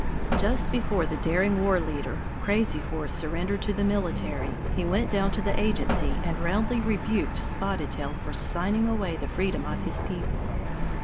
Just before the daring war leader, Crazy Horse, surrendered to the military, he went down to the agency and roundly rebuked Spotted Tail for signing away the freedom of his people.